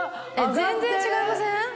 全然違いません？